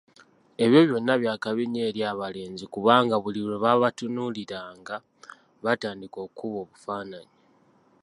Ebyo byonna byakabi nnyo eri abalenzi kubanga buli lwe babatunuulira nga batandika okukuba obufaananyi.